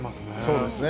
そうですね。